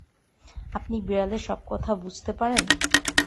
আপনি বিড়ালের সব কথা বুঝতে পারেন।